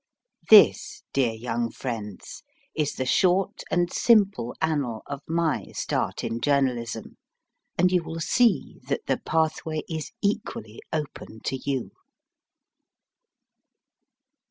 This, dear young friends, is the short and simple annal of my start in journalism, and you will see that the pathway is equally open to you.